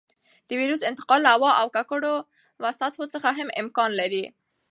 د وېروس انتقال له هوا او ککړو سطحو څخه هم امکان لري.